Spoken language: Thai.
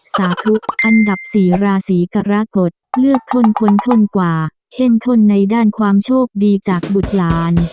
สาธุอันดับ๔ราศีกรกฎเลือกคนคนทนกว่าเข้มข้นในด้านความโชคดีจากบุตรหลาน